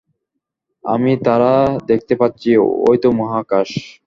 আমি তারা দেখতে পাচ্ছি, ঐতো মহাকাশ।